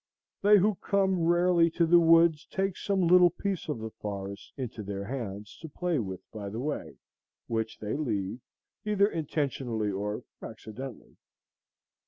They who come rarely to the woods take some little piece of the forest into their hands to play with by the way, which they leave, either intentionally or accidentally.